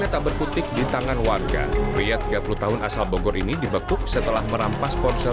tak berkutik di tangan warga pria tiga puluh tahun asal bogor ini dibekuk setelah merampas ponsel